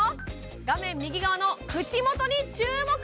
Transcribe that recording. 画面右側の口もとに注目